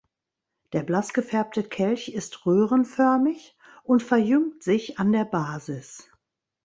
Der blass gefärbte Kelch ist röhrenförmig und verjüngt sich an der Basis.